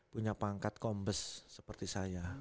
punya pangkat kombes seperti saya